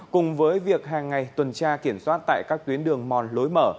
cùng với việc hàng ngày tuần tra kiểm soát tại các tuyến đường mòn lối mở